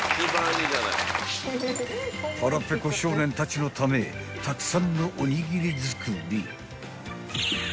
［腹ぺこ少年たちのためたくさんのおにぎり作り］